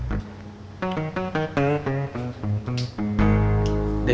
mas suha jahat